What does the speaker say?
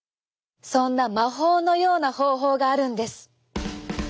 そんな魔法のような方法があるんです。